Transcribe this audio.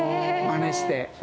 まねして。